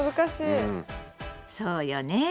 そうよね。